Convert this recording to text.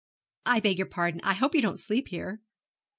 'I beg your pardon. I hope you don't sleep here.'